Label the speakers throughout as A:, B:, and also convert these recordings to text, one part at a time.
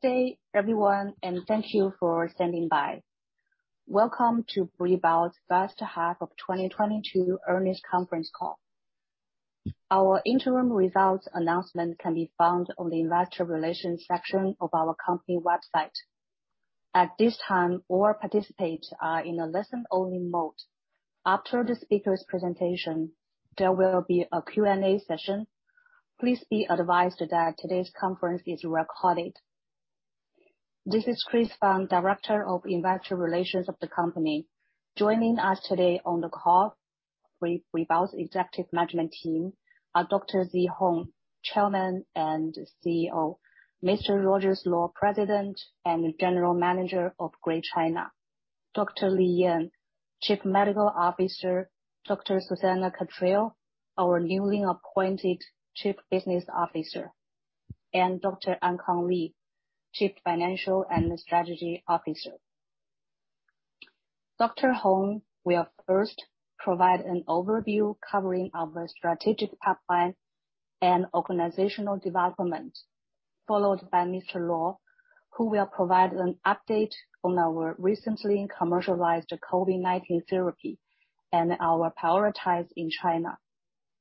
A: Good day, everyone, and thank you for standing by. Welcome to Brii's H1 of 2022 earnings conference call. Our interim results announcement can be found on the investor relations section of our company website. At this time, all participants are in a listen-only mode. After the speaker's presentation, there will be a Q&A session. Please be advised that today's conference is recorded. This is Chris Fang, director of investor relations of the company. Joining us today on the call, Brii Biosciences' executive management team are Dr. Zhi Hong, chairman and CEO, Mr. Rogers Luo, president and general manager of Greater China, Dr. Li Yan, Chief Medical Officer, Dr. Susannah Cantrell, our newly appointed Chief Business Officer, and Dr. Ankang Li, Chief Financial and Strategy Officer. Dr. Hong will first provide an overview covering our strategic pipeline and organizational development, followed by Mr. Luo, who will provide an update on our recently commercialized COVID-19 therapy and our priorities in China.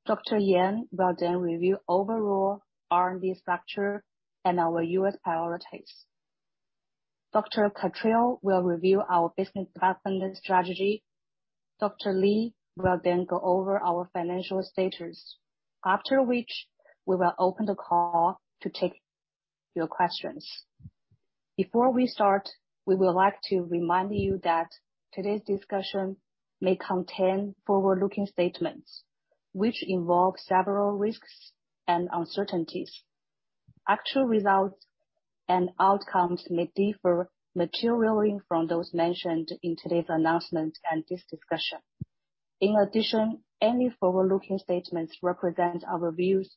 A: Dr. Yan will then review overall R&D structure and our U.S. priorities. Dr. Cantrell will review our business development strategy. Dr. Li will then go over our financial status, after which we will open the call to take your questions. Before we start, we would like to remind you that today's discussion may contain forward-looking statements which involve several risks and uncertainties. Actual results and outcomes may differ materially from those mentioned in today's announcement and this discussion. In addition, any forward-looking statements represent our views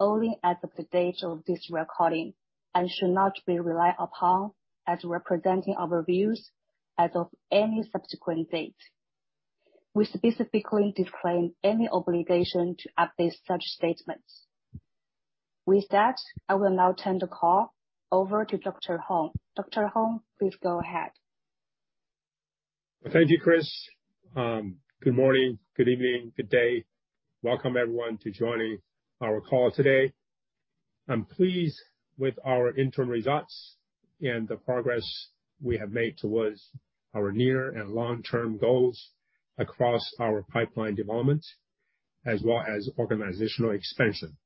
A: only as of the date of this recording and should not be relied upon as representing our views as of any subsequent date. We specifically disclaim any obligation to update such statements. With that, I will now turn the call over to Dr. Hong. Hong, please go ahead.
B: Thank you, Chris. Good morning, good evening, good day. Welcome, everyone, to joining our call today. I'm pleased with our interim results and the progress we have made towards our near and long-term goals across our pipeline development, as well as organizational expansion.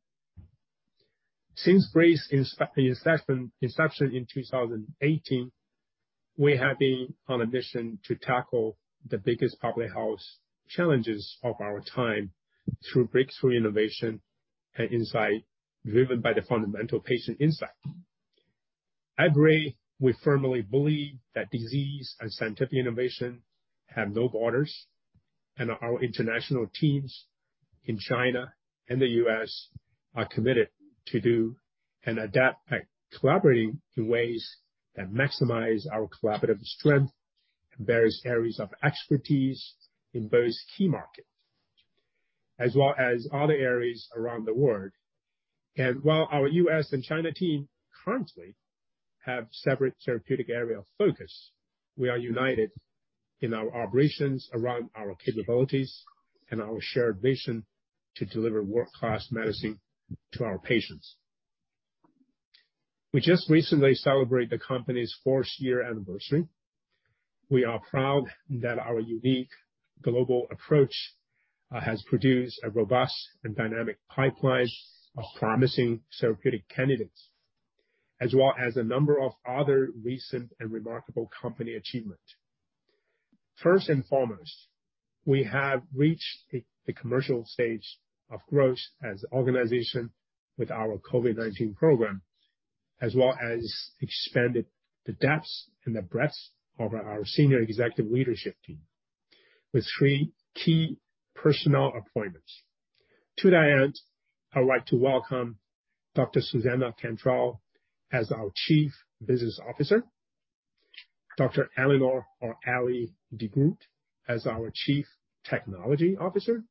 B: Since Brii's inception in 2018, we have been on a mission to tackle the biggest public health challenges of our time through breakthrough innovation and insight driven by the fundamental patient insight. At Brii, we firmly believe that disease and scientific innovation have no borders, and our international teams in China and the U.S. are committed to do and adapt by collaborating in ways that maximize our collaborative strength in various areas of expertise in both key markets, as well as other areas around the world. While our U.S. and China team currently have separate therapeutic area of focus, we are united in our operations around our capabilities and our shared vision to deliver world-class medicine to our patients. We just recently celebrate the company's fourth year anniversary. We are proud that our unique global approach has produced a robust and dynamic pipeline of promising therapeutic candidates, as well as a number of other recent and remarkable company achievement. First and foremost, we have reached the commercial stage of growth as an organization with our COVID-19 program, as well as expanded the depths and the breadths of our senior executive leadership team with three key personnel appointments. To that end, I'd like to welcome Dr. Susannah Cantrell as our Chief Business Officer, Dr. Eleanor de Groot as our Chief Technology Officer,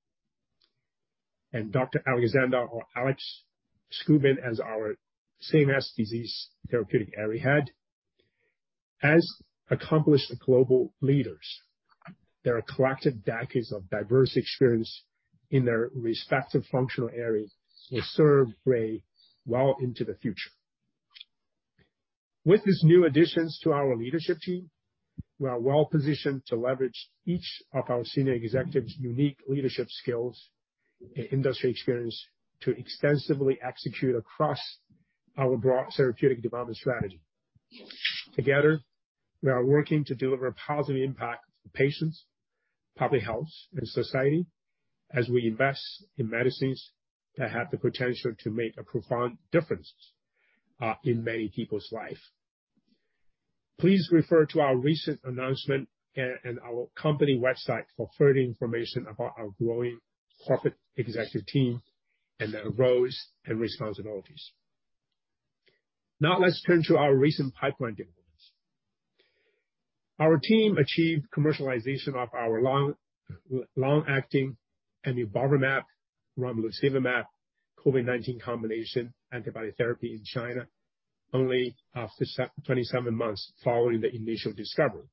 B: and Dr. Aleksandar Skuban as our CNS disease therapeutic area head. As accomplished global leaders, their collected decades of diverse experience in their respective functional areas will serve Brii well into the future. With these new additions to our leadership team, we are well-positioned to leverage each of our senior executives' unique leadership skills and industry experience to extensively execute across our broad therapeutic development strategy. Together, we are working to deliver a positive impact to patients, public health, and society as we invest in medicines that have the potential to make a profound difference in many people's life. Please refer to our recent announcement and our company website for further information about our growing corporate executive team and their roles and responsibilities. Now, let's turn to our recent pipeline development. Our team achieved commercialization of our long-acting Amubarvimab, Romlusevimab COVID-19 combination antibody therapy in China only after 27 months following the initial discovery.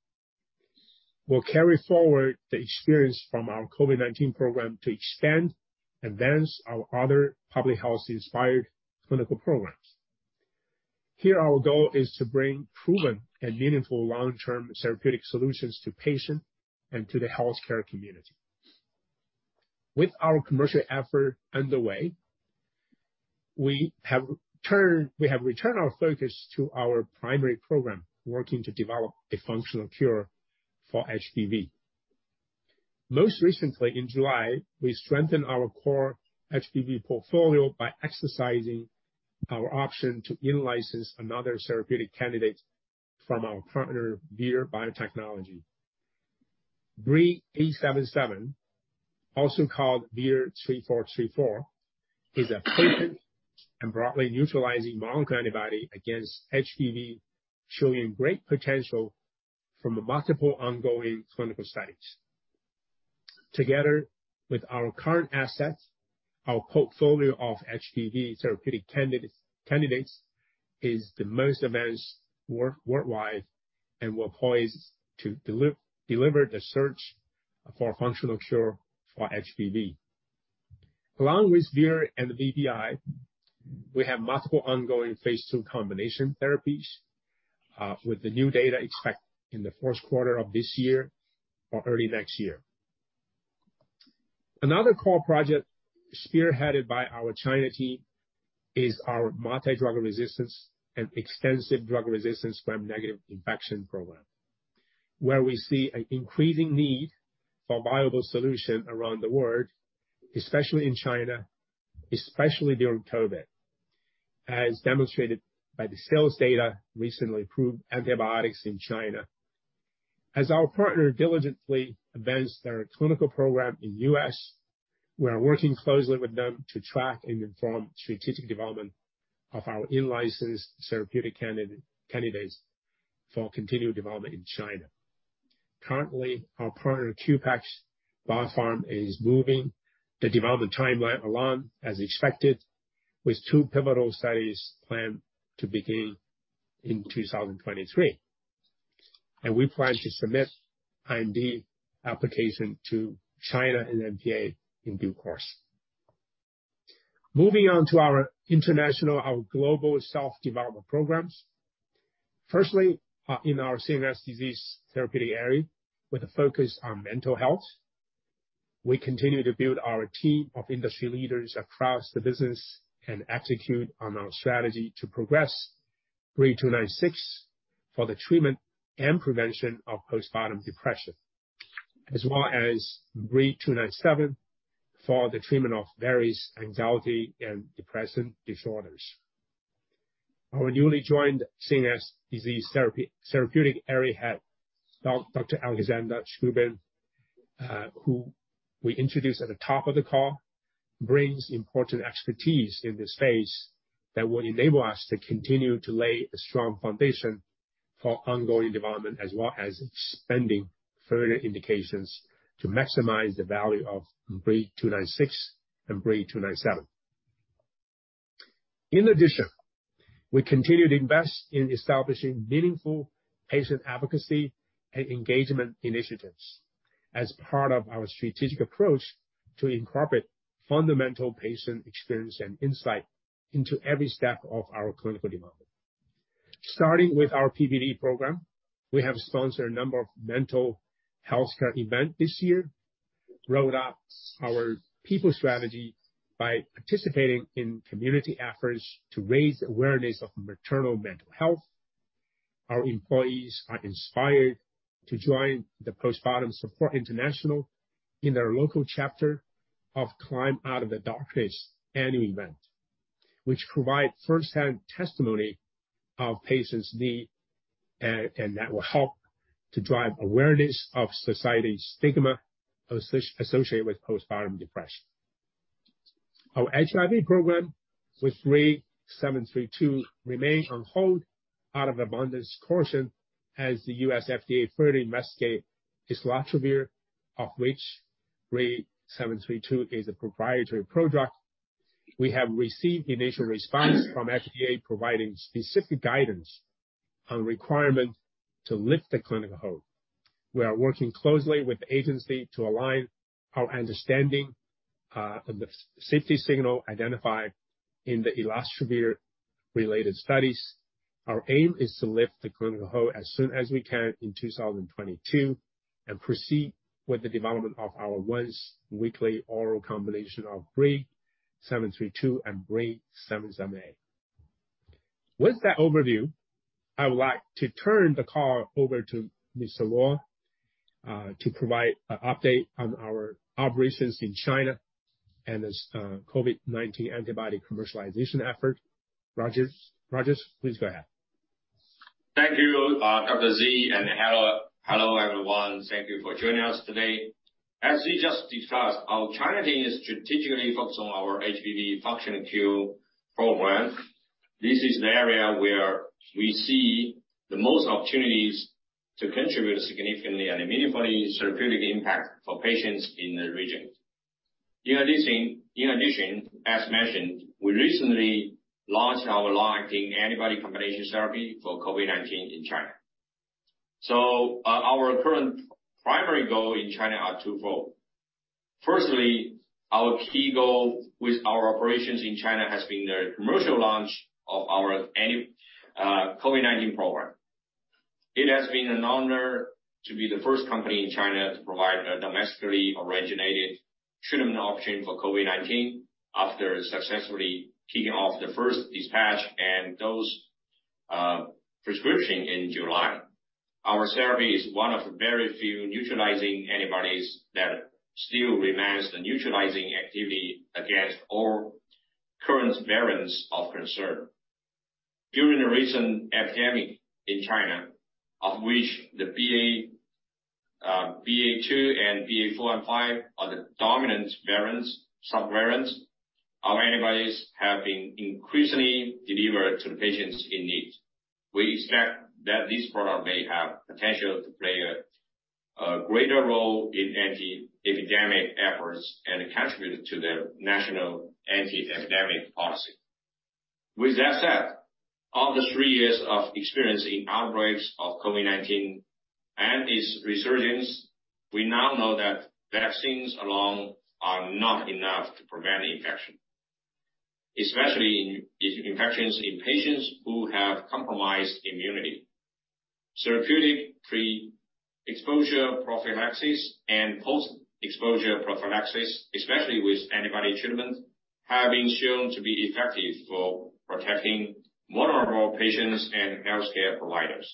B: We'll carry forward the experience from our COVID-19 program to extend, advance our other public health inspired clinical programs. Our goal is to bring proven and meaningful long-term therapeutic solutions to patients and to the healthcare community. With our commercial effort underway, we have returned our focus to our primary program, working to develop a functional cure for HBV. Most recently, in July, we strengthened our core HBV portfolio by exercising our option to in-license another therapeutic candidate from our partner, Brii Biotechnology. BRII-877, also called VIR-3434, is a potent and broadly neutralizing monoclonal antibody against HBV, showing great potential from the multiple ongoing clinical studies. Together with our current assets, our portfolio of HBV therapeutic candidates is the most advanced worldwide, and we're poised to deliver the search for a functional cure for HBV. Along with Brii and VVI, we have multiple ongoing phase 2 combination therapies, with the new data expected in the Q1 of this year or early next year. Another core project spearheaded by our China team is our multi-drug resistance and extensive drug resistance gram-negative infection program, where we see an increasing need for viable solution around the world, especially in China, especially during COVID, as demonstrated by the sales data, recently approved antibiotics in China. As our partner diligently advances their clinical program in the U.S., we are working closely with them to track and inform strategic development of our in-licensed therapeutic candidates for continued development in China. Currently, our partner, Qpex Biopharma, is moving the development timeline along as expected, with two pivotal studies planned to begin in 2023. We plan to submit IND application to China and NMPA in due course. Moving on to our global self-development programs. Firstly, in our CNS disease therapeutic area, with a focus on mental health, we continue to build our team of industry leaders across the business and execute on our strategy to progress BRII-296 for the treatment and prevention of postpartum depression. As well as BRII-297 for the treatment of various anxiety and depression disorders. Our newly joined CNS disease therapeutic area head, Doctor Aleksandar Skuban, who we introduced at the top of the call, brings important expertise in this phase that will enable us to continue to lay a strong foundation for ongoing development as well as expanding further indications to maximize the value of BRII-296 and BRII-297. In addition, we continue to invest in establishing meaningful patient advocacy and engagement initiatives as part of our strategic approach to incorporate fundamental patient experience and insight into every step of our clinical development. Starting with our PPD program, we have sponsored a number of mental health care events this year, rolled out our people strategy by participating in community efforts to raise awareness of maternal mental health. Our employees are inspired to join the Postpartum Support International in their local chapter of Climb Out of the Darkness annual event, which provide firsthand testimony of patients' need, and that will help to drive awareness of society's stigma associated with postpartum depression. Our HIV program with BRII-732 remains on hold out of abundance of caution as the U.S. FDA further investigate Islatravir, of which BRII-732 is a proprietary product. We have received initial response from FDA providing specific guidance on requirement to lift the clinical hold. We are working closely with the agency to align our understanding of the safety signal identified in the Islatravir related studies. Our aim is to lift the clinical hold as soon as we can in 2022 and proceed with the development of our once-weekly oral combination of BRII-732 and BRII-778. With that overview, I would like to turn the call over to Mr. Luo to provide an update on our operations in China and its COVID-19 antibody commercialization effort. Rogers, please go ahead.
C: Thank you, Dr. Zhi Hong, and hello everyone. Thank you for joining us today. As we just discussed, our China team is strategically focused on our HBV functional cure program. This is the area where we see the most opportunities to contribute significantly and immediate therapeutic impact for patients in the region. In addition, as mentioned, we recently launched our long-acting antibody combination therapy for COVID-19 in China. Our current primary goal in China are twofold. Firstly, our key goal with our operations in China has been the commercial launch of our anti-COVID-19 program. It has been an honor to be the first company in China to provide a domestically originated treatment option for COVID-19 after successfully kicking off the first dispatch and those prescription in July. Our therapy is one of the very few neutralizing antibodies that still remains the neutralizing activity against all current variants of concern. During the recent epidemic in China, of which the BA.2 and BA.4 and BA.5 are the dominant variants, subvariants. Our antibodies have been increasingly delivered to the patients in need. We expect that this product may have potential to play a greater role in anti-epidemic efforts and contribute to the national anti-epidemic policy. With that said, after three years of experiencing outbreaks of COVID-19 and its resurgence, we now know that vaccines alone are not enough to prevent infection, especially in infections in patients who have compromised immunity. Therapeutic pre-exposure prophylaxis and post-exposure prophylaxis, especially with antibody treatment, have been shown to be effective for protecting vulnerable patients and healthcare providers.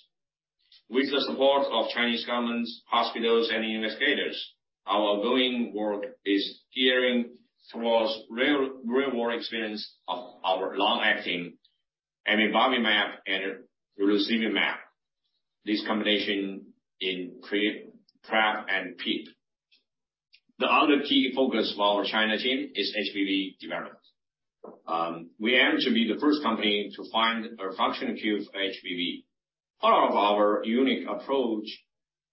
C: With the support of Chinese government, hospitals, and investigators, our ongoing work is gearing towards real-world experience of our long-acting Amubarvimab and Romlusevimab. This combination in PrEP and PEP. The other key focus of our China team is HBV development. We aim to be the first company to find a functional cure for HBV. Part of our unique approach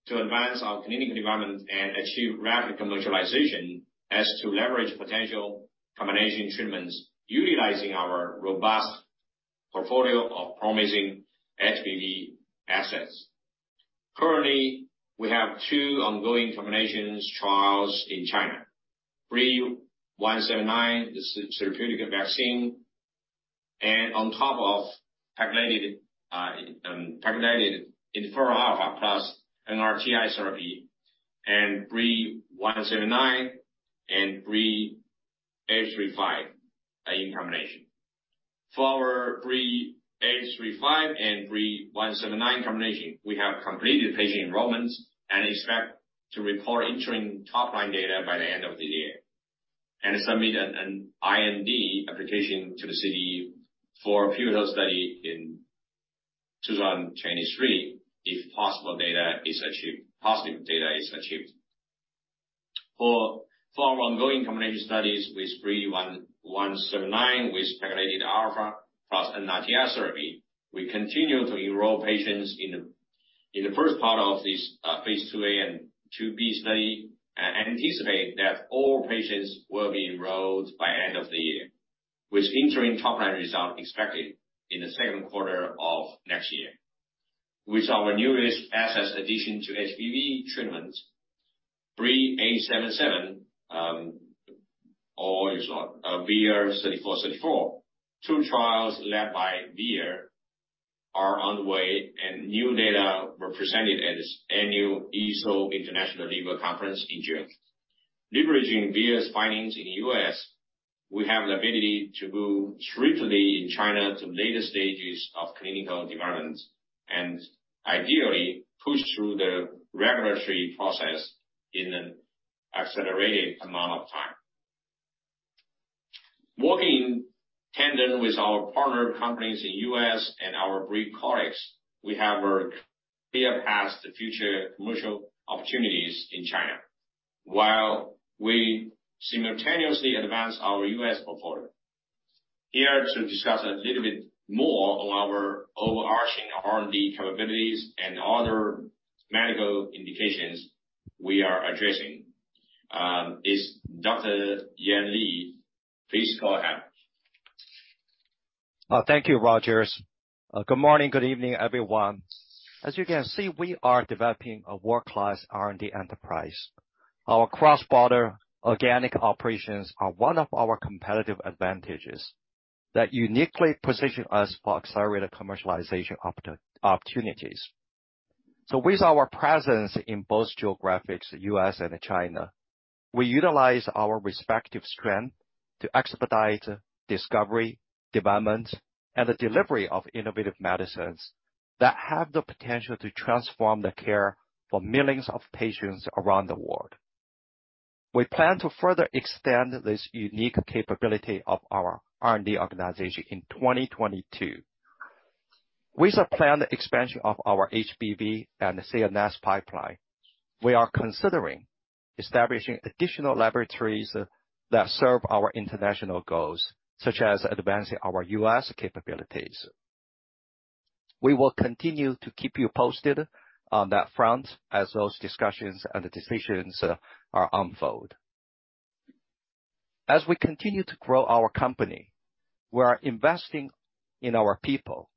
C: to advance our clinical development and achieve rapid commercialization is to leverage potential combination treatments utilizing our robust portfolio of promising HBV assets. Currently, we have two ongoing combination trials in China. BRII-179, the therapeutic vaccine, and on top of Pegylated interferon alpha plus NRTI therapy, and BRII-179 and BRII-835 in combination. For our BRII-835 and BRII-179 combination, we have completed patient enrollments and expect to report interim top-line data by the end of the year, and submit an IND application to the CDE for a pivotal study in 2023 if positive data is achieved. For our ongoing combination studies with BRII-179 with Pegylated alpha plus NRTI therapy, we continue to enroll patients in the first part of this phase 2a and 2b study, and anticipate that all patients will be enrolled by end of the year, with interim top-line results expected in the Q2 of next year. With our newest asset addition to HBV treatment, BRII-877, VIR-3434, two trials led by VIR are on the way and new data were presented at the annual EASL International Liver Conference in June. Leveraging VIR's findings in the U.S., we have the ability to move swiftly in China to later stages of clinical development and ideally push through the regulatory process in an accelerated amount of time. Working tandem with our partner companies in U.S. and our Brii colleagues, we have a clear path to future commercial opportunities in China, while we simultaneously advance our U.S. portfolio. Here to discuss a little bit more on our overarching R&D capabilities and other medical indications we are addressing, is Dr. Li Yan. Please go ahead.
D: Thank you, Rogers. Good morning, good evening, everyone. As you can see, we are developing a world-class R&D enterprise. Our cross-border organic operations are one of our competitive advantages that uniquely position us for accelerated commercialization opportunities. With our presence in both geographies, U.S. and China, we utilize our respective strengths to expedite discovery, development, and the delivery of innovative medicines that have the potential to transform the care for millions of patients around the world. We plan to further extend this unique capability of our R&D organization in 2022. With our planned expansion of our HBV and CNS pipeline, we are considering establishing additional laboratories that serve our international goals, such as advancing our U.S. capabilities. We will continue to keep you posted on that front as those discussions and decisions unfold. As we continue to grow our company, we are investing in our people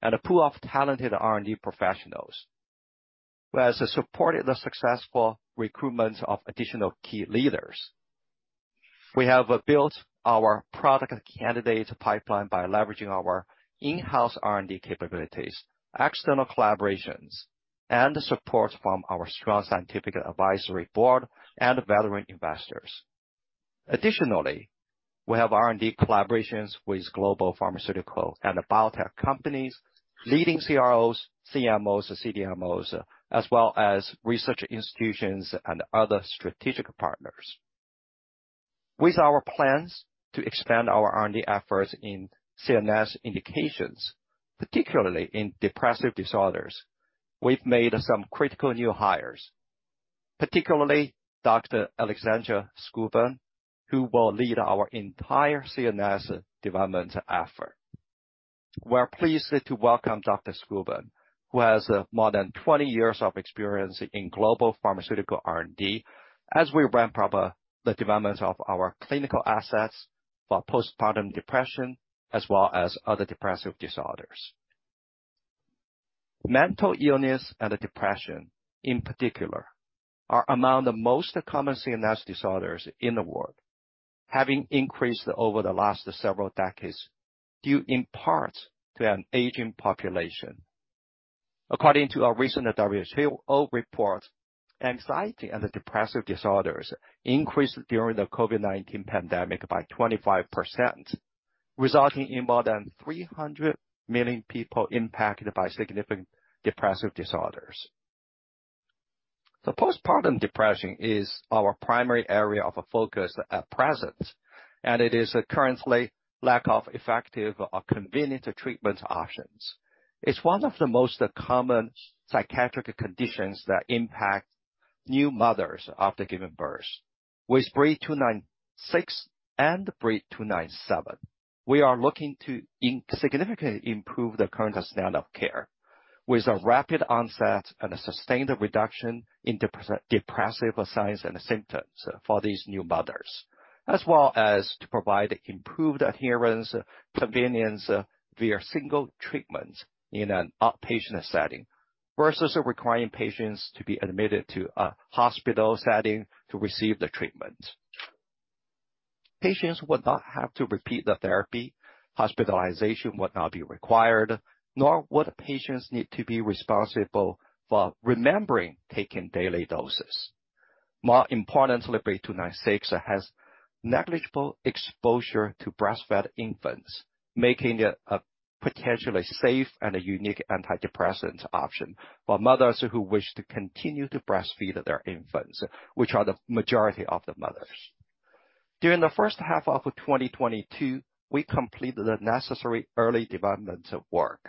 D: and a pool of talented R&D professionals who has supported the successful recruitment of additional key leaders. We have built our product candidate pipeline by leveraging our in-house R&D capabilities, external collaborations, and support from our strong scientific advisory board and veteran investors. Additionally, we have R&D collaborations with global pharmaceutical and biotech companies, leading CROs, CMOs, CDMOs, as well as research institutions and other strategic partners. With our plans to expand our R&D efforts in CNS indications, particularly in depressive disorders, we've made some critical new hires, particularly Dr. Aleksandar Skuban, who will lead our entire CNS development effort. We're pleased to welcome Dr. Skuban, who has more than 20 years of experience in global pharmaceutical R&D, as we ramp up the development of our clinical assets for postpartum depression, as well as other depressive disorders. Mental illness and depression, in particular, are among the most common CNS disorders in the world, having increased over the last several decades, due in part to an aging population. According to a recent WHO report, anxiety and depressive disorders increased during the COVID-19 pandemic by 25%, resulting in more than 300 million people impacted by significant depressive disorders. Postpartum depression is our primary area of focus at present, and it is currently lack of effective or convenient treatment options. It's one of the most common psychiatric conditions that impact new mothers after giving birth. With BRII-296 and BRII-297, we are looking to significantly improve the current standard of care with a rapid onset and a sustained reduction in depressive signs and symptoms for these new mothers, as well as to provide improved adherence, convenience via single treatment in an outpatient setting, versus requiring patients to be admitted to a hospital setting to receive the treatment. Patients would not have to repeat the therapy, hospitalization would not be required, nor would patients need to be responsible for remembering taking daily doses. More importantly, BRII-296 has negligible exposure to breastfed infants, making it a potentially safe and unique antidepressant option for mothers who wish to continue to breastfeed their infants, which are the majority of the mothers. During the H1 of 2022, we completed the necessary early development work,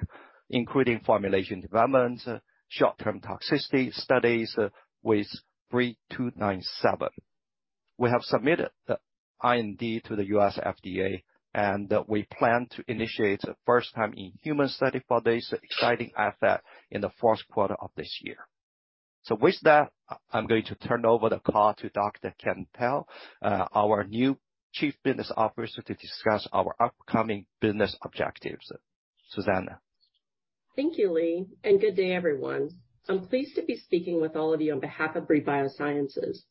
D: including formulation development, short-term toxicity studies with BRII-297. We have submitted the IND to the U.S. FDA, and we plan to initiate first time in human study for this exciting asset in the Q4 of this year. With that, I'm going to turn over the call to Dr. Susannah Cantrell, our new chief business officer, to discuss our upcoming business objectives. Susanna?
E: Thank you, Li Yan, and good day, everyone. I'm pleased to be speaking with all of you on behalf of Brii Biosciences.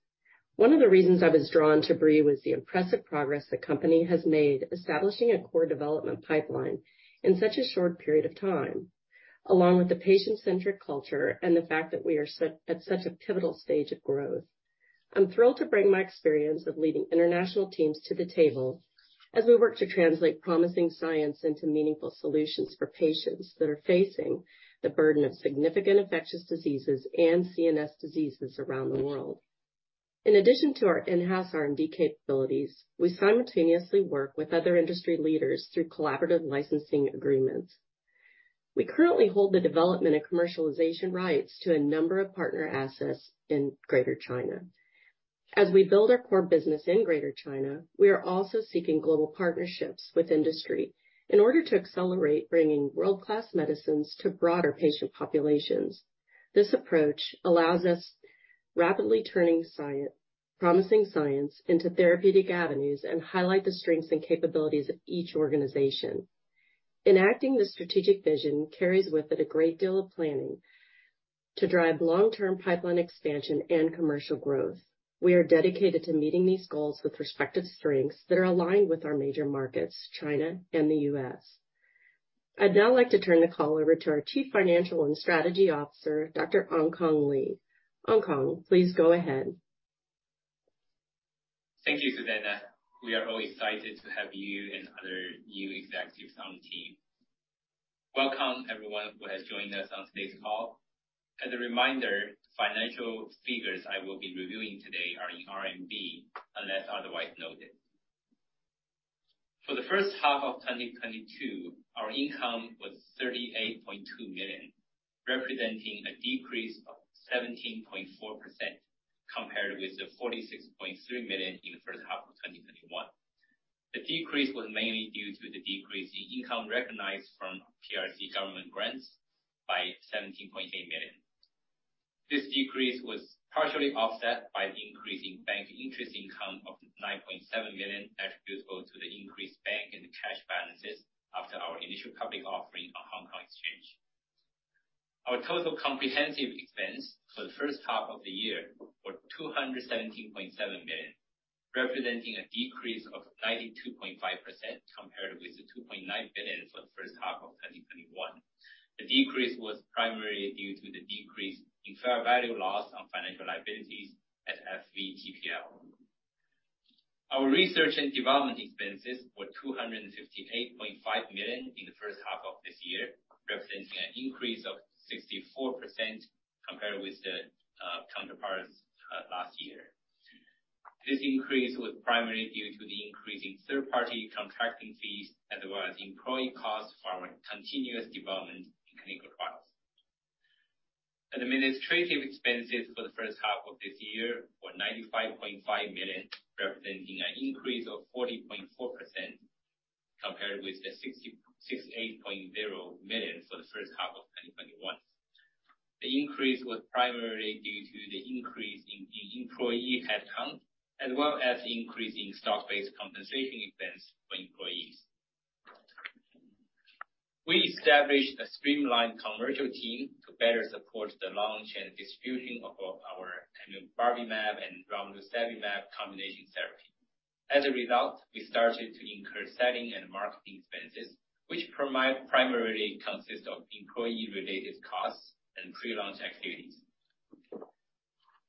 E: One of the reasons I was drawn to Brii was the impressive progress the company has made establishing a core development pipeline in such a short period of time, along with the patient-centric culture and the fact that we are set at such a pivotal stage of growth. I'm thrilled to bring my experience of leading international teams to the table as we work to translate promising science into meaningful solutions for patients that are facing the burden of significant infectious diseases and CNS diseases around the world. In addition to our in-house R&D capabilities, we simultaneously work with other industry leaders through collaborative licensing agreements. We currently hold the development and commercialization rights to a number of partner assets in Greater China. As we build our core business in Greater China, we are also seeking global partnerships with industry in order to accelerate bringing world-class medicines to broader patient populations. This approach allows us rapidly turning promising science into therapeutic avenues and highlight the strengths and capabilities of each organization. Enacting this strategic vision carries with it a great deal of planning to drive long-term pipeline expansion and commercial growth. We are dedicated to meeting these goals with respective strengths that are aligned with our major markets, China and the U.S. I'd now like to turn the call over to our Chief Financial and Strategy Officer, Dr. Ankang Li. Ankang, please go ahead.
F: Thank you, Susannah. We are all excited to have you and other new executives on the team. Welcome, everyone who has joined us on today's call. As a reminder, financial figures I will be reviewing today are in RMB, unless otherwise noted. For the H1 of 2022, our income was 38.2 million, representing a decrease of 17.4% compared with the 46.3 million in the H1 of 2021. The decrease was mainly due to the decrease in income recognized from PRC government grants by 17.8 million. This decrease was partially offset by the increase in bank interest income of 9.7 million, attributable to the increased bank and cash balances after our initial public offering on Hong Kong Exchanges and Clearing. Our total comprehensive expense for the H1 of the year were 217.7 million, representing a decrease of 92.5% compared with the 2.9 billion for the H1 of 2021. The decrease was primarily due to the decrease in fair value loss on financial liabilities at FVTPL. Our research and development expenses were 258.5 million in the H1 of this year, representing an increase of 64% compared with the counterparts last year. This increase was primarily due to the increase in third-party contracting fees, as well as employee costs for our continuous development in clinical trials. Administrative expenses for the H1 of this year were 95.5 million, representing an increase of 40.4% compared with the 66.8 million for the H1 of 2021. The increase was primarily due to the increase in the employee headcount as well as increase in stock-based compensation expense for employees. We established a streamlined commercial team to better support the launch and distribution of our Amubarvimab and Romlusevimab combination therapy. As a result, we started to incur selling and marketing expenses, which primarily consist of employee-related costs and pre-launch activities.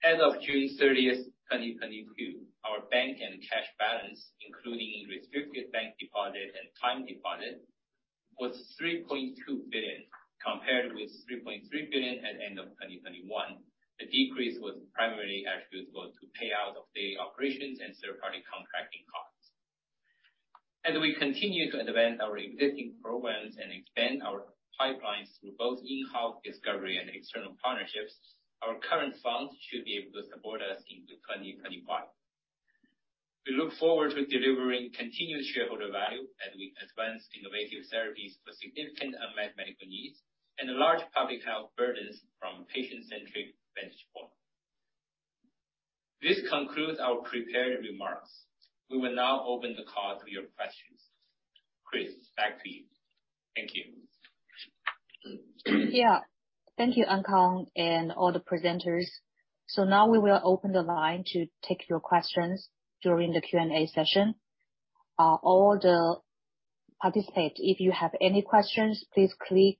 F: As of June 30, 2022, our bank and cash balance, including restricted bank deposit and time deposit, was 3.2 billion, compared with 3.3 billion at end of 2021. The decrease was primarily attributable to payout of daily operations and third-party contracting costs. As we continue to advance our existing programs and expand our pipelines through both in-house discovery and external partnerships, our current funds should be able to support us into 2025. We look forward to delivering continuous shareholder value as we advance innovative therapies for significant unmet medical needs and large public health burdens from a patient-centric vantage point. This concludes our prepared remarks. We will now open the call to your questions. Chris, back to you. Thank you.
A: Yeah. Thank you, Ankang and all the presenters. Now we will open the line to take your questions during the Q&A session. All the participants, if you have any questions, please click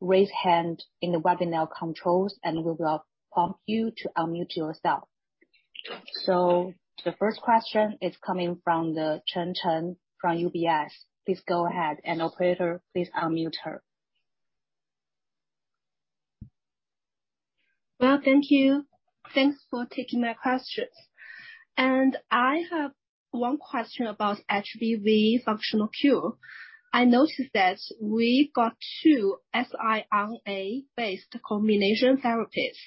A: Raise Hand in the webinar controls, and we will prompt you to unmute yourself. The first question is coming from Chen Chen from UBS. Please go ahead, and operator, please unmute her.
G: Well, thank you. Thanks for taking my questions. I have one question about HBV functional cure. I noticed that we got two siRNA-based combination therapies.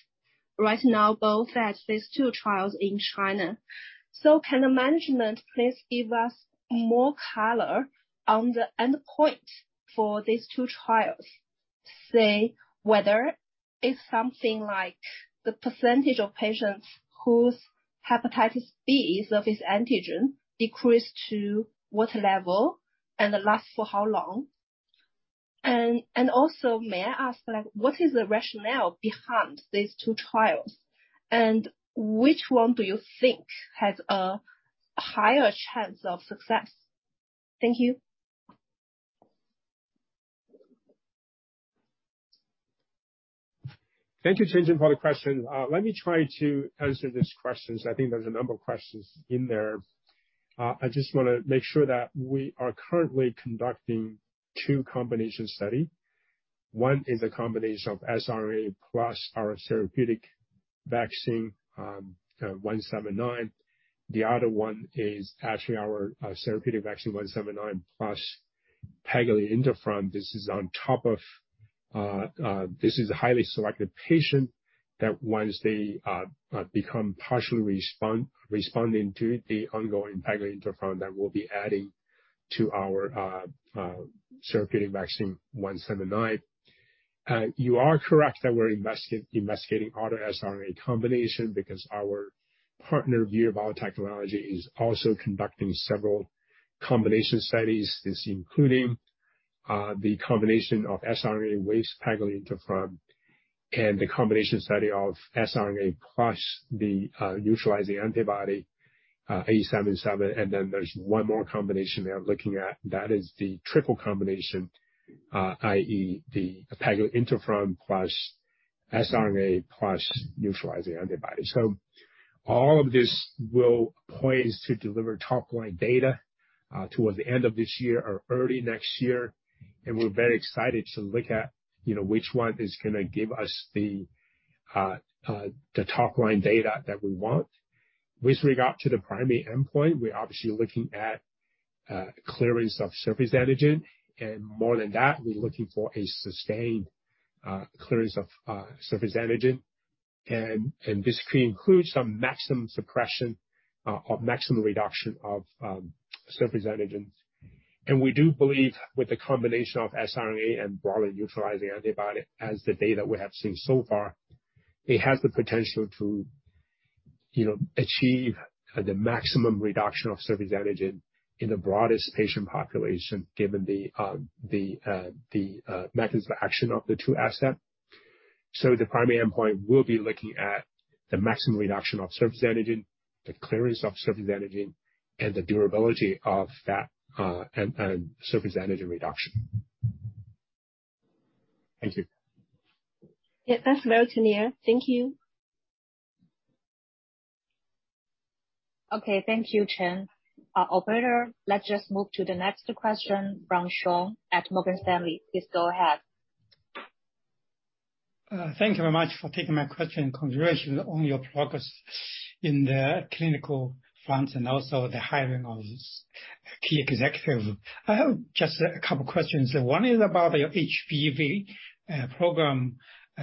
G: Right now, both at phase 2 trials in China. Can the management please give us more color on the endpoint for these two trials? Say, whether it's something like the percentage of patients whose hepatitis B surface antigen decreased to what level, and it lasts for how long. Also, may I ask, like, what is the rationale behind these two trials? Which one do you think has a higher chance of success? Thank you.
B: Thank you, Chen Chen, for the question. Let me try to answer these questions. I think there's a number of questions in there. I just wanna make sure that we are currently conducting two combination study. One is a combination of siRNA plus our therapeutic vaccine, 179. The other one is actually our therapeutic vaccine 179 plus Pegylated interferon. This is on top of this is a highly selected patient that once they become partially responding to the ongoing Pegylated interferon that we'll be adding to our therapeutic vaccine 179. You are correct that we're investigating other siRNA combination because our partner, Brii Biotechnology, is also conducting several combination studies. This includes the combination of siRNA with pegylated interferon and the combination study of siRNA plus the neutralizing antibody BRII-877. Then there's one more combination they are looking at, that is the triple combination, i.e., the pegylated interferon plus siRNA plus neutralizing antibody. All of this will poise to deliver top-line data towards the end of this year or early next year. We're very excited to look at which one is gonna give us the top-line data that we want. With regard to the primary endpoint, we're obviously looking at clearance of surface antigen, and more than that, we're looking for a sustained clearance of surface antigen. This could include some maximum suppression or maximum reduction of surface antigens. We do believe, with the combination of siRNA and BRII-877 neutralizing antibody, as the data we have seen so far, it has the potential to, you know, achieve the maximum reduction of surface antigen in the broadest patient population, given the mechanism of action of the two asset. The primary endpoint, we'll be looking at the maximum reduction of surface antigen, the clearance of surface antigen, and the durability of that and surface antigen reduction. Thank you.
G: Yeah, that's very clear. Thank you.
A: Okay, thank you, Chen. Operator, let's just move to the next question from Sean at Morgan Stanley. Please go ahead.
H: Thank you very much for taking my question. Congratulations on your progress in the clinical front and also the hiring of key executives. I have just a couple questions. One is about your HBV program.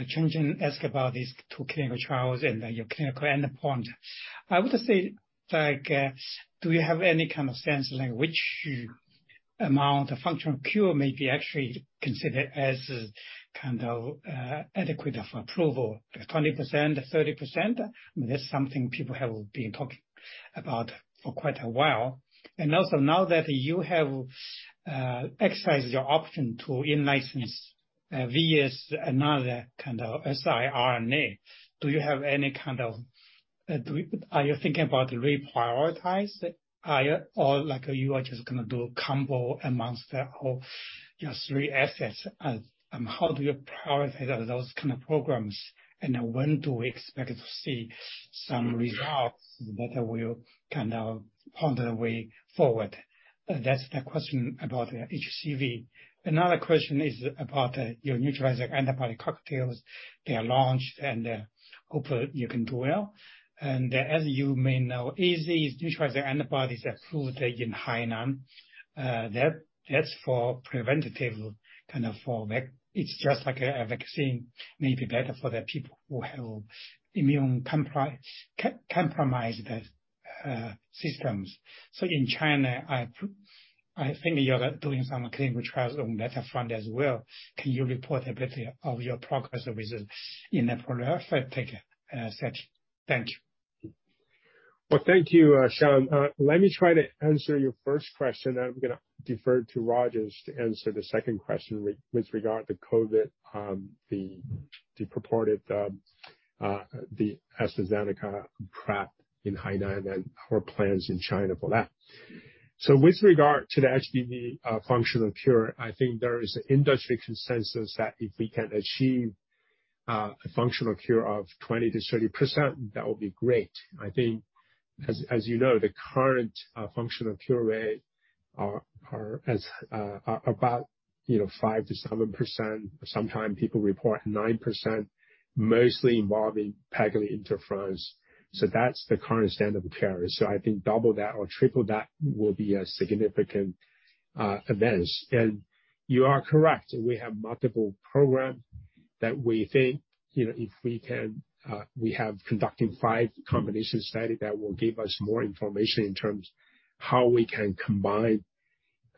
H: Chen asked about these two clinical trials and your clinical endpoint. I would say like, do you have any kind of sense like which amount of functional cure may be actually considered as kind of, adequate of approval, 20%, 30%? This is something people have been talking about for quite a while. Also, now that you have exercised your option to in-license VIR-3434 another kind of siRNA, do you have any kind of, are you thinking about reprioritize? Or like you are just gonna do combo amongst the whole, your three assets. How do you prioritize those kind of programs, and when do we expect to see some results that will kind of point the way forward? That's the question about HBV. Another question is about your neutralizing antibody cocktails. They are launched, and hopefully you can do well. As you may know, AstraZeneca's neutralizing antibodies approved in Hainan. That is for preventative kind of. It's just like a vaccine may be better for the people who have immune compromised systems. In China, I think you are doing some clinical trials on that front as well. Can you report a bit of your progress within that product category? Thank you.
B: Well, thank you, Sean. Let me try to answer your first question, then I'm gonna defer to Rogers to answer the second question with regard to COVID, the purported AstraZeneca PrEP in Hainan and our plans in China for that. With regard to the HBV functional cure, I think there is industry consensus that if we can achieve a functional cure of 20%-30%, that would be great. I think, as you know, the current functional cure rate is about 5%-7%, sometimes people report 9%, mostly involving pegylated interferons. That's the current standard of care. I think double that or triple that will be a significant advance. You are correct. We have multiple programs that we think, you know, if we can, we are conducting five combination studies that will give us more information in terms of how we can combine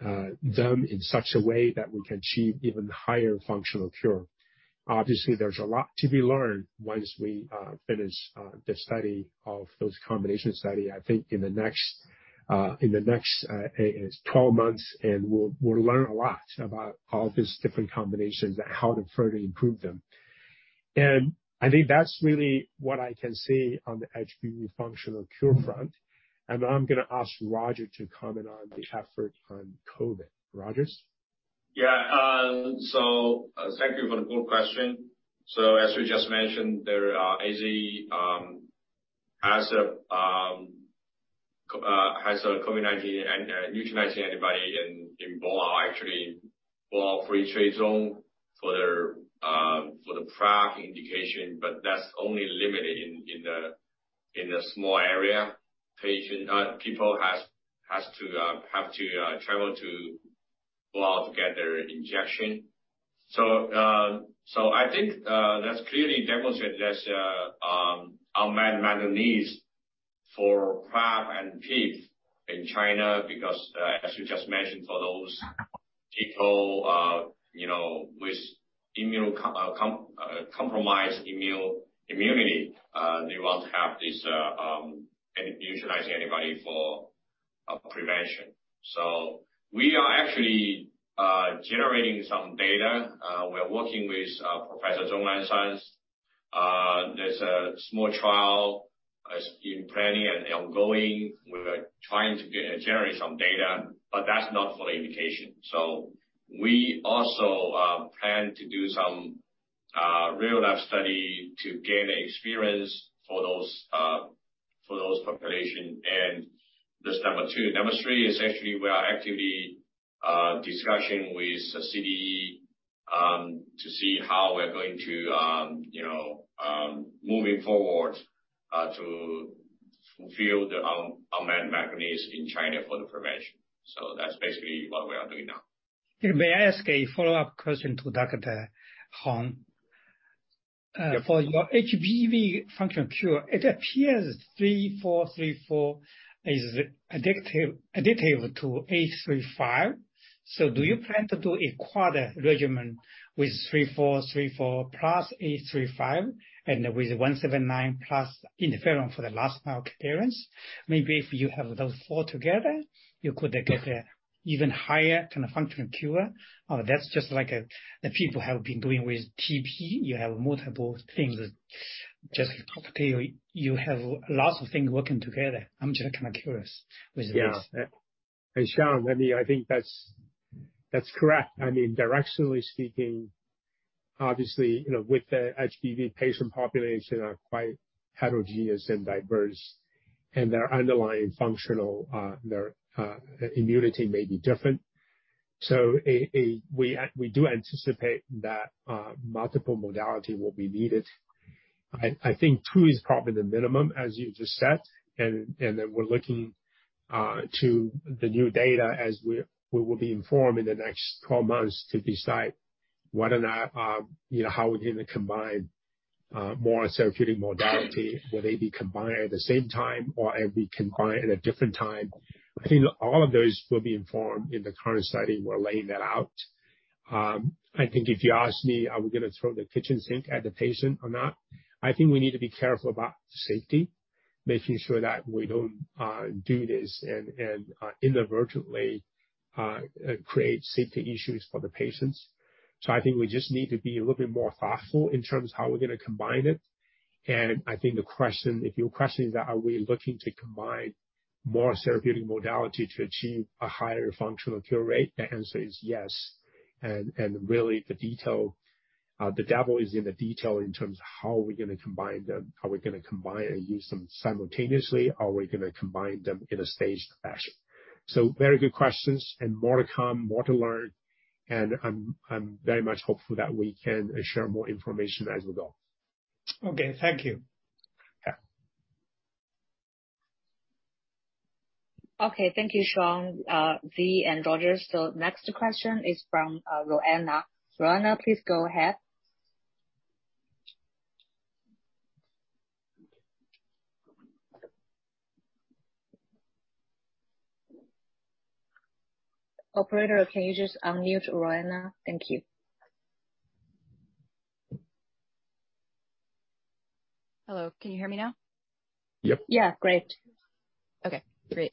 B: them in such a way that we can achieve even higher functional cure. Obviously, there's a lot to be learned once we finish those combination studies. I think in the next 12 months, we'll learn a lot about all these different combinations and how to further improve them. I think that's really what I can say on the HBV functional cure front. Now I'm gonna ask Rogers to comment on the effort on COVID. Rogers?
C: Thank you for the good question. As you just mentioned, AstraZeneca has a COVID-19 neutralizing antibody in Boao Lecheng, actually, Boao Lecheng free trade zone for the PrEP indication, but that's only limited in the small area. People have to travel to Boao Lecheng to get their injection. I think that clearly demonstrate there's a unmet medical need for PrEP and PEP in China because, as you just mentioned, for those people, you know, with compromised immunity, they want to have this neutralizing antibody for prevention. We are actually generating some data. We're working with Professor Zhong Nanshan. There's a small trial that's in planning and ongoing. We're trying to generate some data, but that's not full indication. We also plan to do some real-life study to gain experience for those.
B: For that population, and that's number two. Number three is actually we are actively discussing with the CDE to see how we're going to you know moving forward to fulfill the unmet need in China for the prevention. That's basically what we are doing now.
H: May I ask a follow-up question to Dr. Hong?
B: Yeah.
H: For your HBV functional cure, it appears VIR-3434 is additive to BRII-835. Do you plan to do a quartet regimen with VIR-3434 plus BRII-835, and with BRII-179 plus interferon for the last mile clearance? Maybe if you have those four together, you could get an even higher kind of functional cure. Or that's just like the people have been doing with TP. You have multiple things just
B: Mm-hmm.
H: You have lots of things working together. I'm just kinda curious with this.
B: Yeah. Hey, Sean, I think that's correct. I mean, directionally speaking, obviously, you know, with the HBV patient population is quite heterogeneous and diverse, and their underlying functional immunity may be different. So we do anticipate that multiple modality will be needed. I think two is probably the minimum, as you just said, and then we're looking to the new data as we will be informed in the next 12 months to decide whether or not, you know, how we're gonna combine more therapeutic modality. Will they be combined at the same time or will they be combined at a different time? I think all of those will be informed in the current study. We're laying that out. I think if you ask me, are we gonna throw the kitchen sink at the patient or not? I think we need to be careful about safety, making sure that we don't do this and inadvertently create safety issues for the patients. I think we just need to be a little bit more thoughtful in terms of how we're gonna combine it. I think the question, if your question is are we looking to combine more therapeutic modality to achieve a higher functional cure rate? The answer is yes. Really the devil is in the detail in terms of how we're gonna combine them. Are we gonna combine and use them simultaneously? Are we gonna combine them in a staged fashion? Very good questions and more to come, more to learn, and I'm very much hopeful that we can share more information as we go.
H: Okay, thank you.
B: Yeah.
A: Okay, thank you, Sean, Zhi and Rogers. Next question is from Roanna. Roanna, please go ahead. Operator, can you just unmute Roanna? Thank you.
I: Hello. Can you hear me now?
B: Yep.
A: Yeah, great.
I: Okay, great.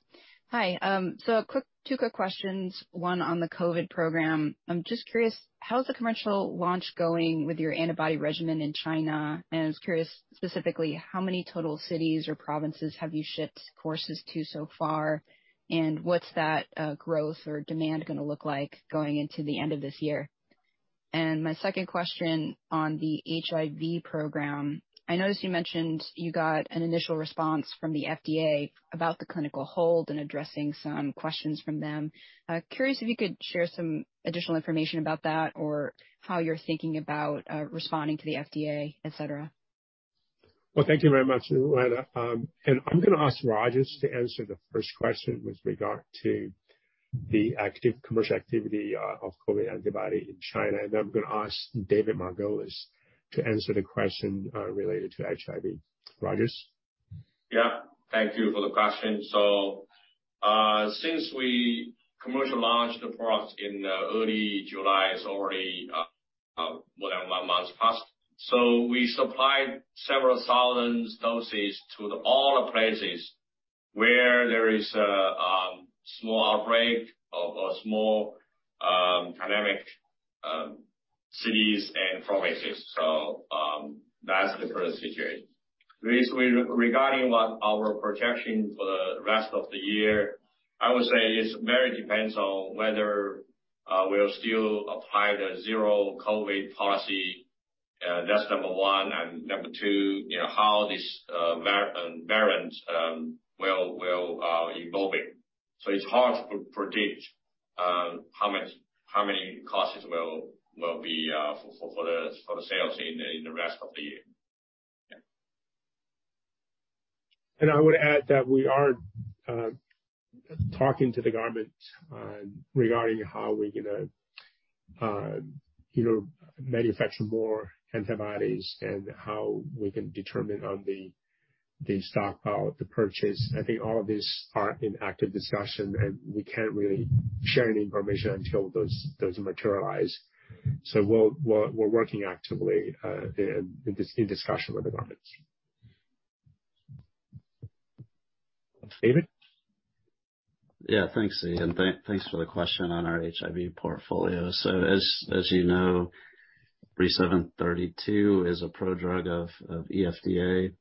I: Hi, so two quick questions, one on the COVID program. I'm just curious, how's the commercial launch going with your antibody regimen in China? And I was curious, specifically, how many total cities or provinces have you shipped courses to so far? And what's that growth or demand gonna look like going into the end of this year? And my second question on the HIV program, I noticed you mentioned you got an initial response from the FDA about the clinical hold and addressing some questions from them. Curious if you could share some additional information about that or how you're thinking about responding to the FDA, et cetera.
B: Well, thank you very much, Roanna. I'm gonna ask Rogers Luo to answer the first question with regard to the active commercial activity of COVID antibody in China. Then I'm gonna ask David Margolis to answer the question related to HIV. Rogers Luo? Yeah, thank you for the question. Since we commercially launched the product in early July, it's already more than one month passed. We supplied several thousand doses to all places where there is a small outbreak of a small pandemic, cities and provinces. That's the first situation. Basically, regarding what our projection for the rest of the year, I would say it very much depends on whether we'll still apply the zero-COVID policy. That's number one. Number two, you know, how this variant will evolving. It's hard to predict how many costs will be for the sales in the rest of the year. Yeah. I would add that we are talking to the government regarding how we're gonna, you know, manufacture more antibodies and how we can determine on the stockpile, the purchase. I think all of these are in active discussion, and we can't really share any information until those materialize. We're working actively in this discussion with the governments. David?
J: Yeah, thanks, Zhi, thanks for the question on our HIV portfolio. As you know, 372 is a prodrug of FDA,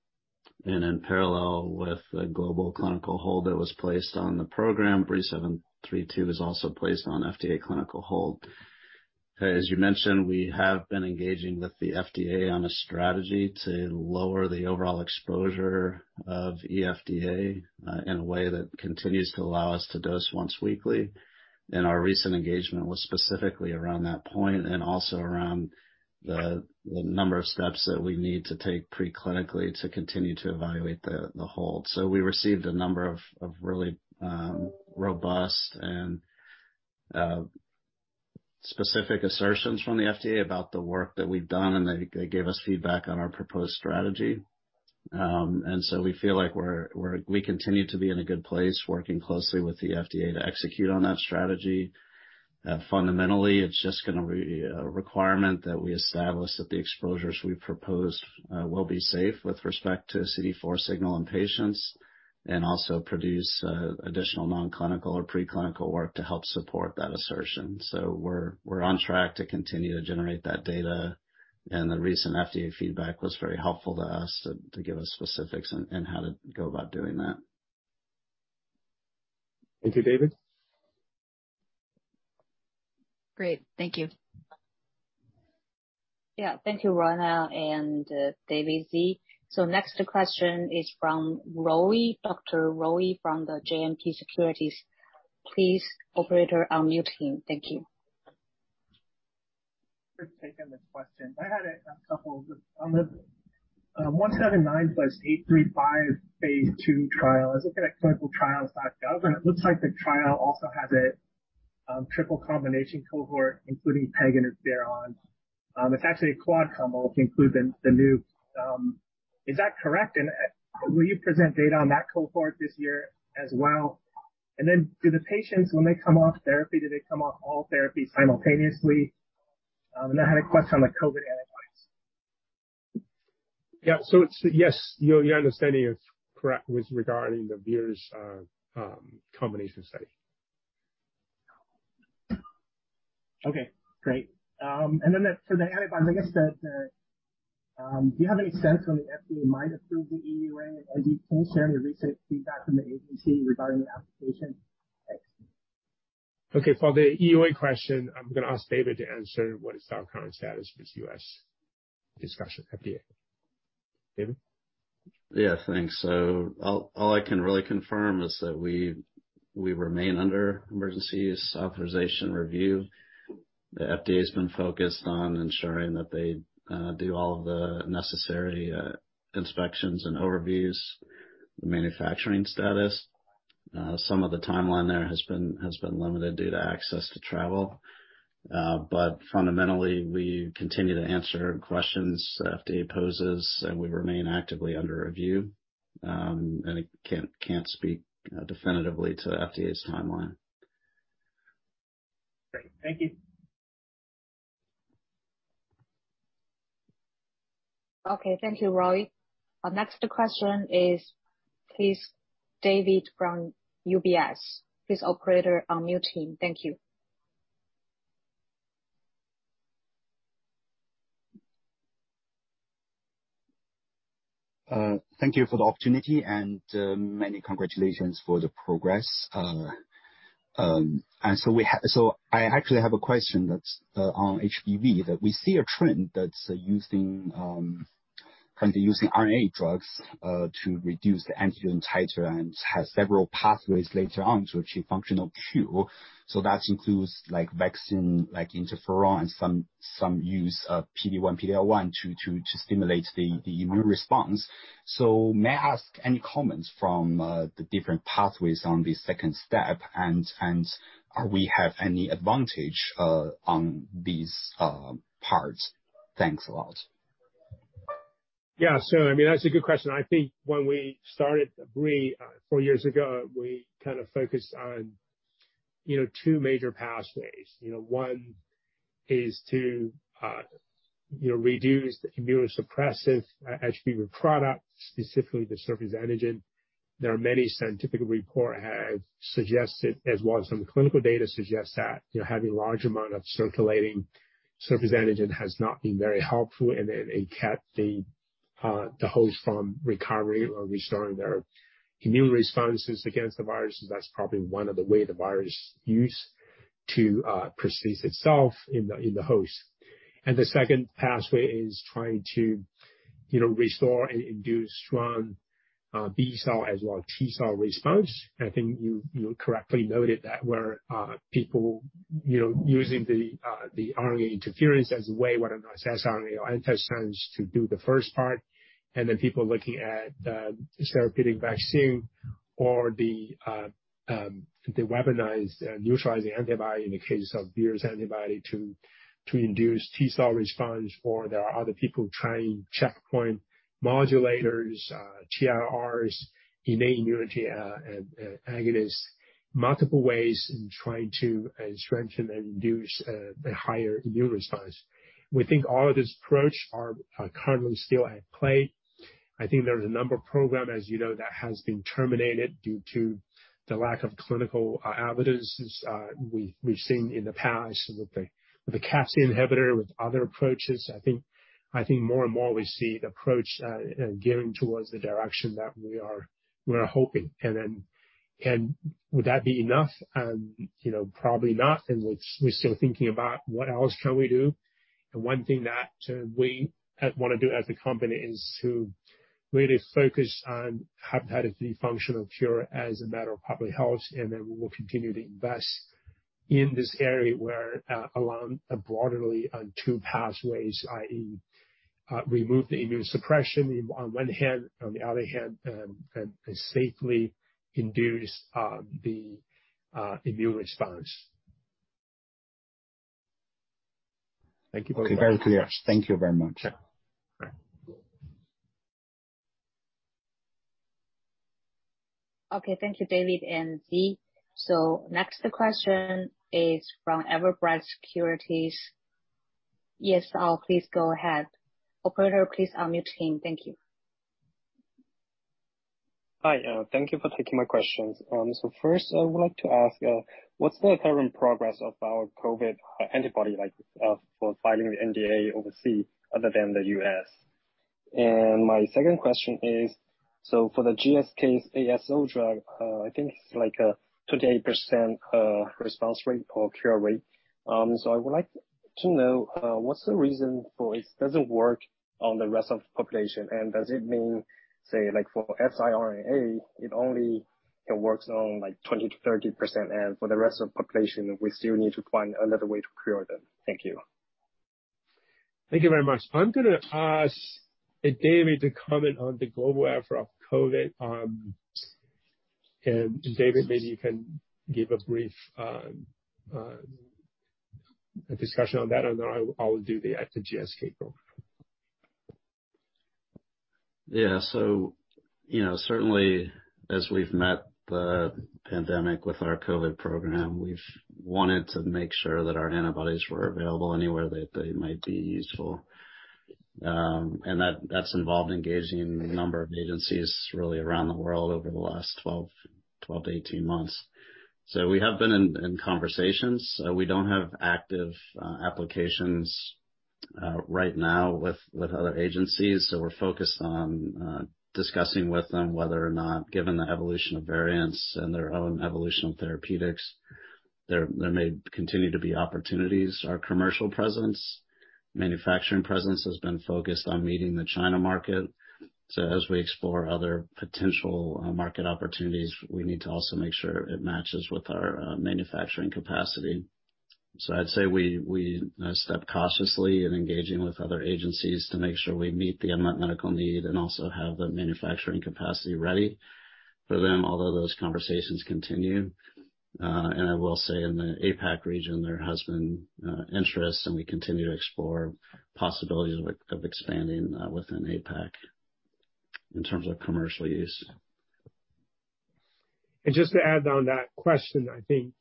J: and in parallel with the global clinical hold that was placed on the program, 3732 was also placed on FDA clinical hold. As you mentioned, we have been engaging with the FDA on a strategy to lower the overall exposure of EFdA in a way that continues to allow us to dose once weekly. Our recent engagement was specifically around that point and also around the number of steps that we need to take pre-clinically to continue to evaluate the hold. We received a number of really robust and specific assertions from the FDA about the work that we've done, and they gave us feedback on our proposed strategy. We feel like we continue to be in a good place working closely with the FDA to execute on that strategy. Fundamentally, it's just gonna be a requirement that we establish that the exposures we propose will be safe with respect to CD4 signal in patients and also produce additional non-clinical or pre-clinical work to help support that assertion. We're on track to continue to generate that data, and the recent FDA feedback was very helpful to us to give us specifics on how to go about doing that.
B: Thank you. David?
I: Great. Thank you.
A: Thank you, Roanna and David Margolis. Next question is from Roy, Dr. Roy from JMP Securities. Please, operator, unmute him. Thank you.
K: for taking this question. I had a couple. On the BRII-179 plus BRII-835 phase 2 trial, I was looking at ClinicalTrials.gov, and it looks like the trial also has a triple combination cohort, including PEG and adefovir. It's actually a quad combo to include the new. Is that correct? Will you present data on that cohort this year as well? Do the patients, when they come off therapy, do they come off all therapies simultaneously? I had a question on the COVID antibodies.
B: Yes, your understanding is correct with regard to Brii’s combination study.
K: Okay, great. Do you have any sense when the FDA might approve the EUA? And can you share any recent feedback from the agency regarding the application? Thanks.
B: Okay. For the EUA question, I'm gonna ask David to answer what is our current status with U.S. discussion at the FDA. David?
J: Thanks. All I can really confirm is that we remain under emergency authorization review. The FDA's been focused on ensuring that they do all of the necessary inspections and oversight, the manufacturing status. Some of the timeline there has been limited due to access to travel. Fundamentally, we continue to answer questions the FDA poses, and we remain actively under review. I can't speak definitively to FDA's timeline.
K: Great. Thank you.
A: Okay. Thank you, Roy. Our next question is please, David from UBS. Please, operator, unmute him. Thank you.
L: Thank you for the opportunity and many congratulations for the progress. I actually have a question that's on HBV that we see a trend that's using kind of using RNA drugs to reduce the antigen titer and has several pathways later on to achieve functional cure. That includes like vaccine like interferon some use of PD-1 PD-L1 to stimulate the immune response. May I ask any comments from the different pathways on the second step? Are we have any advantage on these parts? Thanks a lot.
B: Yeah. I mean, that's a good question. I think when we started Brii 4 years ago, we kind of focused on, you know, two major pathways. You know, one is to, you know, reduce the immunosuppressive HBV product, specifically the surface antigen. There are many scientific reports have suggested, as well as some clinical data suggests that, you know, having large amount of circulating surface antigen has not been very helpful, and it kept the the host from recovery or restoring their immune responses against the virus. That's probably one of the ways the virus uses to persist itself in the host. The second pathway is trying to, you know, restore and induce strong B cell as well as T cell response. I think you correctly noted that where people, you know, using the RNA interference as a way, whether or not it has RNA or antisense to do the first part, and then people looking at therapeutic vaccine or the Vir's neutralizing antibody in the case of BRII's antibody to induce T-cell response. There are other people trying checkpoint modulators, TLRs, innate immunity agonists, multiple ways in trying to strengthen and induce the higher immune response. We think all of this approach are currently still at play. I think there's a number of program, as you know, that has been terminated due to the lack of clinical evidences we've seen in the past with the capsid inhibitor, with other approaches. I think more and more we see the approach gearing towards the direction that we are hoping. Would that be enough? You know, probably not, and we're still thinking about what else can we do. The one thing that we wanna do as a company is to really focus on hepatitis B functional cure as a matter of public health, and then we will continue to invest in this area where, along broadly on two pathways, i.e., remove the immunosuppression on one hand, on the other hand, safely induce the immune response. Thank you for your.
L: Okay. Very clear. Thank you very much.
B: Yeah. Right.
A: Okay. Thank you, David and Zhi. Next question is from Everbright Securities. Yes, Al, please go ahead. Operator, please unmute him. Thank you.
M: Hi. Thank you for taking my questions. First, I would like to ask, what's the current progress of our COVID antibody, like, for filing the NDA overseas other than the U.S.? My second question is, so for the GSK's ASO drug, I think it's like, 28% response rate or cure rate. I would like to know, what's the reason for it doesn't work on the rest of the population, and does it mean, say like for siRNA, it only can works on like 20%-30% and for the rest of the population, we still need to find another way to cure them? Thank you.
B: Thank you very much. I'm gonna ask David to comment on the global effort on COVID. David, maybe you can give a brief discussion on that, and then I'll do that at the GSK program.
J: Yeah. You know, certainly as we've met the pandemic with our COVID program, we've wanted to make sure that our antibodies were available anywhere that they might be useful. That's involved engaging a number of agencies really around the world over the last 12-18 months. We have been in conversations. We don't have active applications right now with other agencies, so we're focused on discussing with them whether or not, given the evolution of variants and their own evolution of therapeutics, there may continue to be opportunities. Our commercial presence, manufacturing presence, has been focused on meeting the China market. As we explore other potential market opportunities, we need to also make sure it matches with our manufacturing capacity. I'd say we step cautiously in engaging with other agencies to make sure we meet the unmet medical need and also have the manufacturing capacity ready for them, although those conversations continue. I will say in the APAC region there has been interest, and we continue to explore possibilities of expanding within APAC in terms of commercial use.
B: Just to add on that question, I think,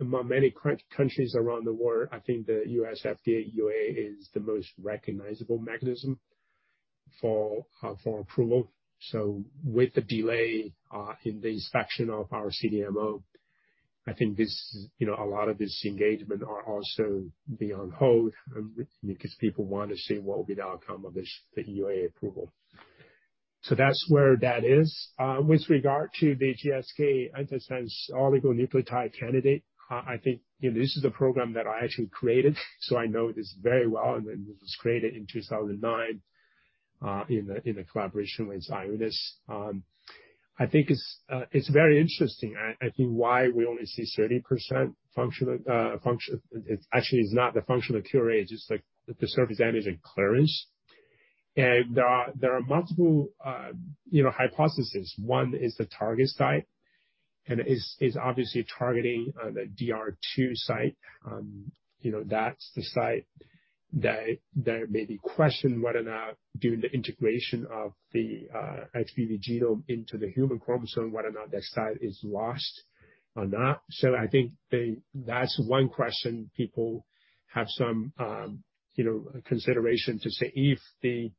B: among many countries around the world, I think the U.S. FDA EUA is the most recognizable mechanism for approval. With the delay, in the inspection of our CDMO, I think this, you know, a lot of this engagement are also be on hold, because people want to see what will be the outcome of this, the EUA approval. That's where that is. With regard to the GSK antisense oligonucleotide candidate, I think, you know, this is a program that I actually created, so I know this very well, and this was created in 2009, in a collaboration with Ionis. I think it's very interesting. I think why we only see 30% functional, it actually is not the functional cure rate, it's like the surface antigen clearance. There are multiple hypotheses. One is the target site, and it's obviously targeting the DR2 site. That's the site that there may be question whether or not during the integration of the HBV genome into the human chromosome, whether or not that site is lost or not. I think that's one question people have some consideration to say if the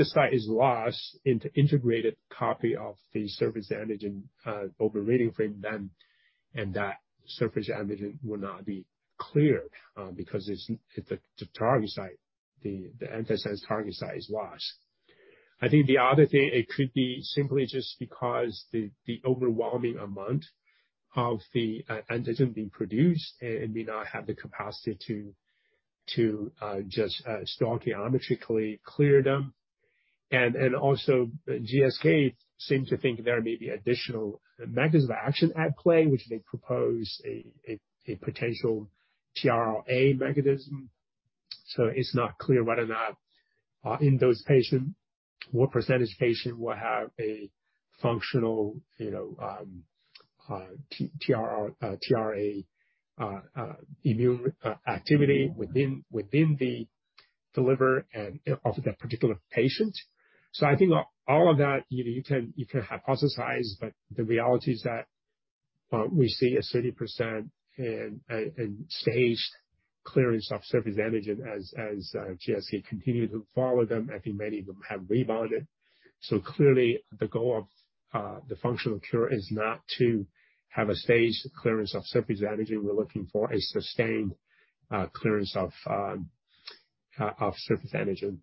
B: site is lost in the integrated copy of the surface antigen open reading frame then, and that surface antigen will not be cleared because it's the target site, the antisense target site is lost. I think the other thing, it could be simply just because the overwhelming amount of the HBsAg being produced and may not have the capacity to just stoichiometrically clear them. Also GSK seem to think there may be additional mechanism of action at play, which they propose a potential TLR mechanism. It's not clear whether or not in those patients, what percentage of patients will have a functional TLR immune activity within the liver and of that particular patient. I think all of that you can hypothesize, but the reality is that we see a 30% and staged clearance of surface antigen. GSK continue to follow them, I think many of them have rebounded. Clearly the goal of the functional cure is not to have a staged clearance of surface antigen. We're looking for a sustained clearance of surface antigen.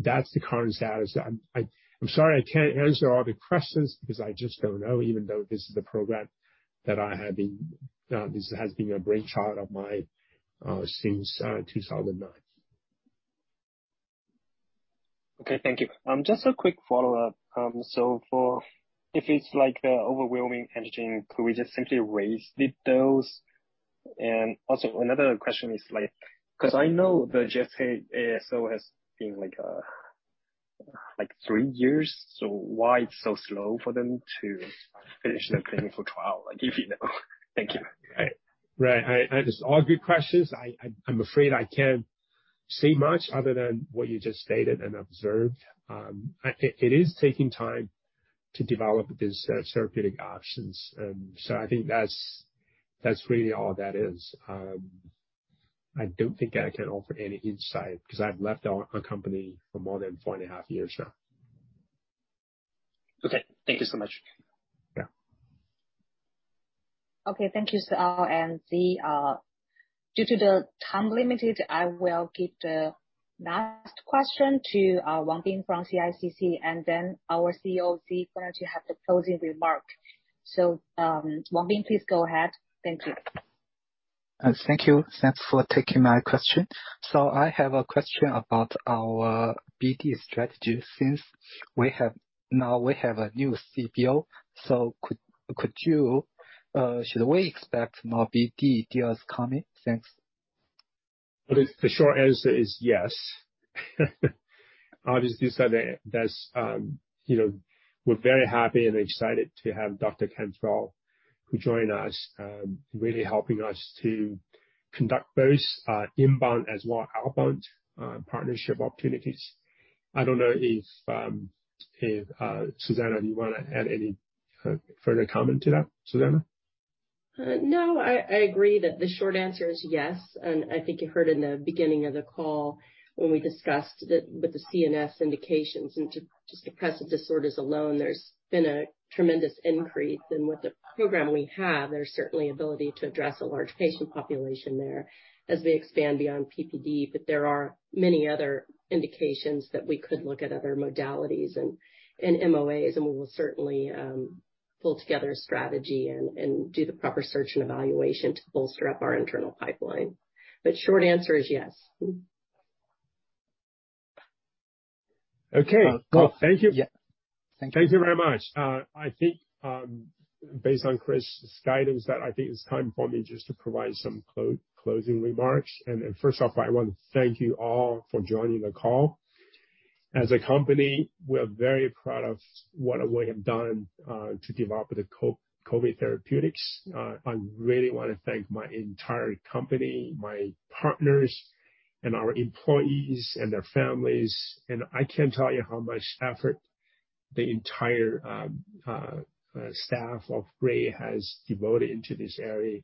B: That's the current status. I'm sorry I can't answer all the questions because I just don't know, even though this has been a brainchild of mine since 2009.
M: Okay, thank you. Just a quick follow-up. So if it's like a overwhelming engineering, could we just simply raise the dose? Also another question is like, 'cause I know the GSK's ASO has been like 3 years, so why it's so slow for them to finish the clinical trial? Like if you know. Thank you.
B: Right. They're all good questions. I'm afraid I can't say much other than what you just stated and observed. I think it is taking time to develop these therapeutic options. I think that's really all that is. I don't think I can offer any insight 'cause I've left the company for more than four and a half years now.
M: Okay, thank you so much.
B: Yeah.
A: Okay, thank you, Sir. Zhi due to the time limit, I will give the last question to Wang Bing from CICC, and then our CEO, Zhi going to have the closing remark. Wang Bing, please go ahead. Thank you.
N: Thank you. Thanks for taking my question. I have a question about our BD strategy. Since we now have a new CBO, so could you? Should we expect more BD deals coming? Thanks.
B: The short answer is yes. Obviously, there's you know, we're very happy and excited to have Dr. Cantrell, who joined us, really helping us to conduct both inbound as well outbound partnership opportunities. I don't know if Susannah, do you wanna add any further comment to that? Susannah?
E: No, I agree that the short answer is yes, and I think you heard in the beginning of the call when we discussed the CNS indications into just depressive disorders alone, there's been a tremendous increase. With the program we have, there's certainly ability to address a large patient population there as we expand beyond PPD. There are many other indications that we could look at other modalities and MOAs, and we will certainly pull together a strategy and do the proper search and evaluation to bolster up our internal pipeline. Short answer is yes.
B: Okay. Well, thank you.
N: Yeah. Thank you.
B: Thank you very much. I think, based on Chris's guidance, that I think it's time for me just to provide some closing remarks. First off, I wanna thank you all for joining the call. As a company, we're very proud of what we have done to develop the COVID therapeutics. I really wanna thank my entire company, my partners and our employees and their families. I can't tell you how much effort the entire staff of Brii has devoted into this area.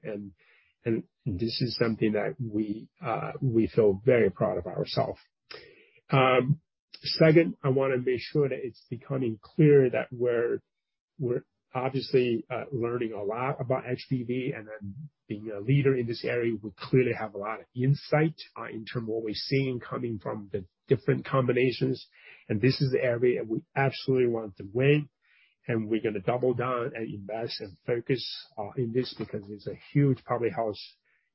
B: This is something that we feel very proud of ourself. Second, I wanna make sure that it's becoming clear that we're obviously learning a lot about HDV, and then being a leader in this area, we clearly have a lot of insight in terms of what we're seeing coming from the different combinations, and this is the area we absolutely want to win, and we're gonna double down and invest and focus in this because it's a huge public health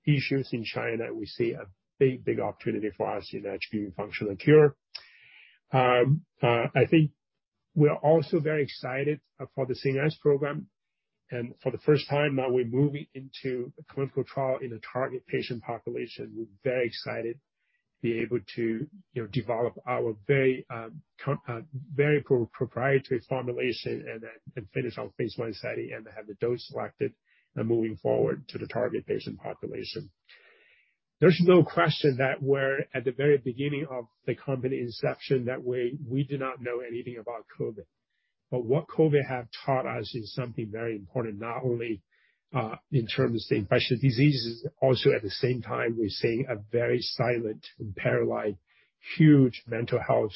B: issues in China. We see a big, big opportunity for us in HBV functional cure. I think we're also very excited for the CNS program. For the first time, now we're moving into a clinical trial in a target patient population. We're very excited be able to, you know, develop our very proprietary formulation and then finish our phase one study and have the dose selected and moving forward to the target patient population. There's no question that we're at the very beginning of the company inception, that we did not know anything about COVID. But what COVID have taught us is something very important, not only in terms of the infectious diseases, also at the same time we're seeing a very silent and paralyzed huge mental health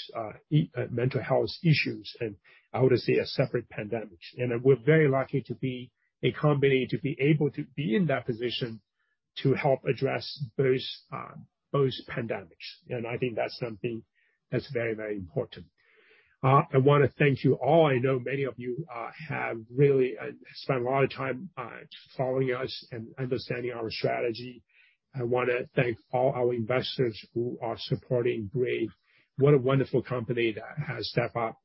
B: issues and I would say a separate pandemic. We're very lucky to be a company to be able to be in that position to help address those pandemics. I think that's something that's very, very important. I wanna thank you all. I know many of you have really spent a lot of time following us and understanding our strategy. I wanna thank all our investors who are supporting Brii. What a wonderful company that has stepped up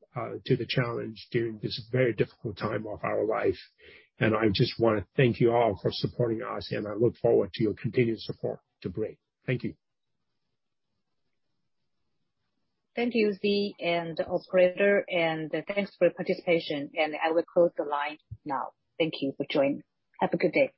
B: to the challenge during this very difficult time of our life. I just wanna thank you all for supporting us, and I look forward to your continued support to Brii. Thank you.
A: Thank you, Zhi and operator, and, thanks for your participation. I will close the line now. Thank you for joining. Have a good day.